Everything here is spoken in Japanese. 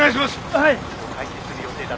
はい。